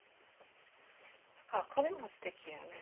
ああこれもすてきよね。